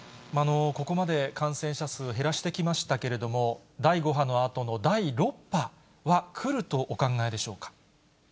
ここまで感染者数を減らしてきましたけれども、第５波のあとの第６波は来るとお考えでしょうか。